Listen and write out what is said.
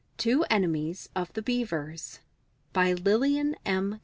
TWO ENEMIES OF THE BEAVERS By Lillian M.